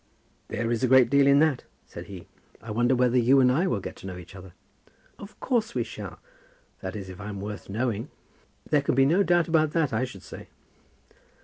"There is a great deal in that," said he. "I wonder whether you and I will get to know each other?" "Of course we shall; that is, if I'm worth knowing." "There can be no doubt about that, I should say."